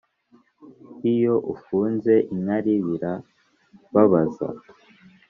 iyo ufunze inkari bira babaza